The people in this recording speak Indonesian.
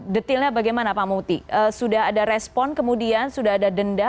detilnya bagaimana pak muti sudah ada respon kemudian sudah ada denda